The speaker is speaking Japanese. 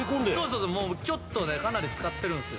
そうそうちょっとねかなり使ってるんすよ。